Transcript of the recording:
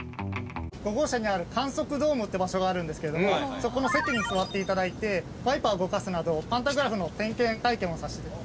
５号車にある観測ドームって場所があるんですけれどもそこの席に座っていただいてワイパーを動かすなどパンタグラフの点検体験を。